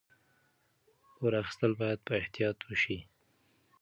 پور اخیستل باید په احتیاط وشي.